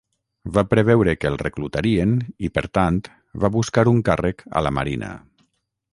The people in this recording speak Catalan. Va preveure que el reclutarien i, per tant, va buscar un càrrec a la marina.